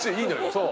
そう。